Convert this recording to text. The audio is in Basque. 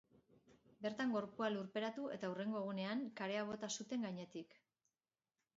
Bertan gorpua lurperatu eta hurrengo egunean, karea bota zuten gainetik.